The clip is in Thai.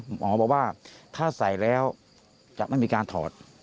หมอบอกว่าถ้าใส่แล้วจะไม่มีการถอด